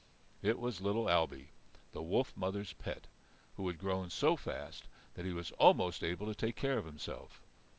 It was little Ailbe, the wolf mother's pet, who had grown so fast that he was almost able to take care of himself.